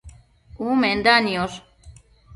Umenda niosh